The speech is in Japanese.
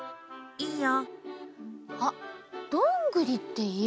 いいよ。